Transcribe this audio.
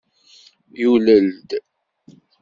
Yulel-d.